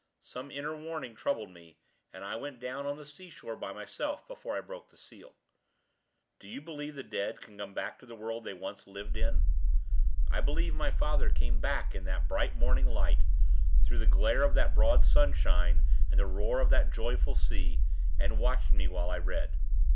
Some inner warning troubled me, and I went down on the sea shore by myself before I broke the seal. Do you believe the dead can come back to the world they once lived in? I believe my father came back in that bright morning light, through the glare of that broad sunshine and the roar of that joyful sea, and watched me while I read.